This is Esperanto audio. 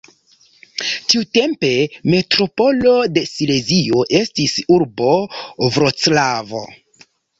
Tiutempe metropolo de Silezio estis urbo Vroclavo.